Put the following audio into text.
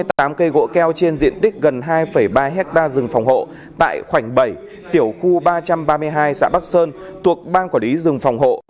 trong sáu mươi tám cây gỗ keo trên diện tích gần hai ba hectare rừng phòng hộ tại khoảnh bảy tiểu khu ba trăm ba mươi hai xã bắc sơn tuộc ban quản lý rừng phòng hộ